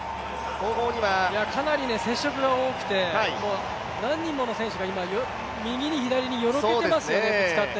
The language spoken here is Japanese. かなり接触が多くて何人もの選手が右に左によろけていますよね、ぶつかって。